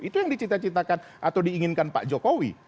itu yang dicita citakan atau diinginkan pak jokowi